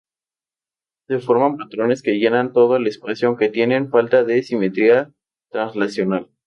Se forman patrones que llenan todo el espacio aunque tienen falta de simetría traslacional.